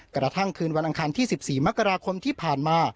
กระทั่งคืนวันอังคารที่๑๔มกราคมที่ผ่านมา